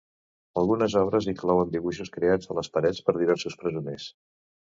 Algunes obres inclouen dibuixos creats a les parets per diversos presoners.